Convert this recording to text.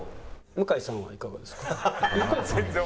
向井さんはどうですか？